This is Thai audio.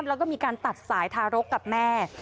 แล้วก็มีการตัดสายทารกกับแม่